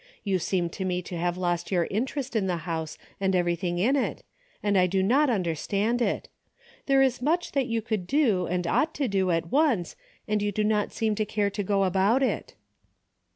You seem to me to have lost your interest in the house and everything in it, and I do not understand it. There is much that you could do and ought to do at once, and you do not seem to care to go about it."